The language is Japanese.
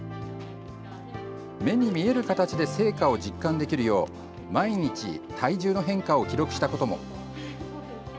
目に見える形で成果を実感できるよう毎日、体重の変化を記録したことも。